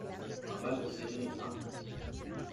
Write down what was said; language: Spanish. Ambas residen en Los Ángeles.